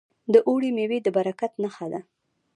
د اوړي میوې د برکت نښه ده.